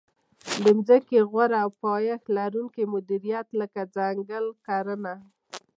د ځمکې غوره او پایښت لرونکې مدیریت لکه ځنګل کرنه.